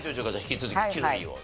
引き続き９位を。